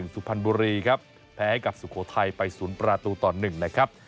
สุพรรณบุรีครับแพ้กับสุโขทัยไป๐ประตูต่อ๑นะครับ